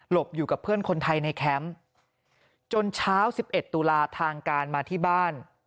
อยู่กับเพื่อนคนไทยในแคมป์จนเช้า๑๑ตุลาทางการมาที่บ้าน